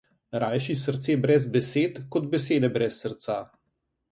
Rajši srce brez besed kot besede brez srca.